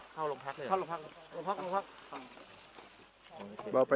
ชื่ออะไรบอกมา